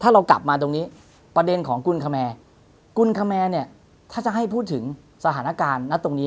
ถ้าเรากลับมาตรงนี้ประเด็นของกุลคมแมถ้าจะให้พูดถึงสถานการณ์นัดตรงนี้